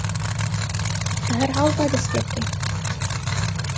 بەهەرحاڵ با دەست پێ بکەین.